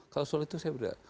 kalau soal itu saya berdengar